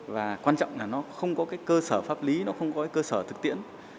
và quan trọng là nó không có cái cơ sở pháp lý nó không có cơ sở thực tiễn